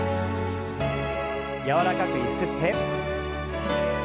柔らかくゆすって。